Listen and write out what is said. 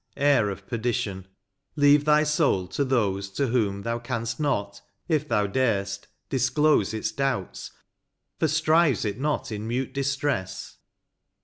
Heir of perdition; leave thy soul to those To whom thou can'st not, if thou dar'st, disclose Its doubts, for strives it not in mute distress